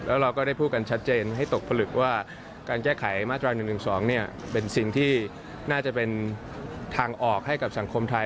แล้วเราก็ได้พูดกันชัดเจนให้ตกผลึกว่าการแก้ไขมาตรา๑๑๒เป็นสิ่งที่น่าจะเป็นทางออกให้กับสังคมไทย